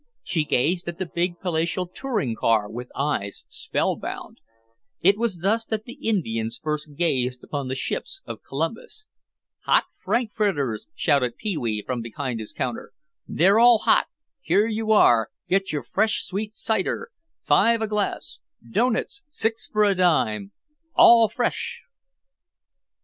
She gazed at the big, palatial touring car with eyes spellbound. It was thus that the Indians first gazed upon the ships of Columbus. [Illustration: PEE WEE TRIPPED ON HIS APRON AND WENT SPRAWLING.] "Hot frankfurters," shouted Pee wee from behind his counter. "They're all hot! Here you are! Get your fresh sweet cider! Five a glass! Doughnuts six for a dime! All fresh!"